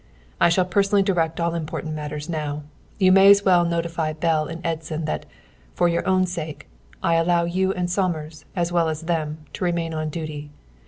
"I shall personally direct all important matters now. You may as well notify Bell and Edson that (for your own sake) I allow you and Somers, as well as them, to remain on duty.